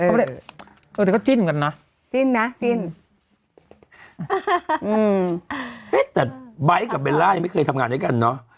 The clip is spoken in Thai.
แต่ก็จิ้นกันนะจิ้นนะจิ้นอืมแต่ไบท์กับเบลล่ายังไม่เคยทำงานด้วยกันเนอะ